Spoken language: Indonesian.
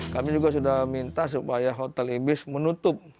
kami juga sudah minta supaya hotel ibis menutup